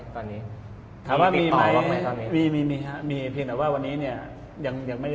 ถามว่ามีที่ติดต่อบ้างไหม